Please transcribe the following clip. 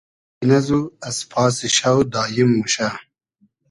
رݷ نئزو از پاسی شۆ داییم موشۂ